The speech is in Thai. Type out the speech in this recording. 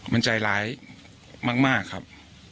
มันใจร้ายมากครับ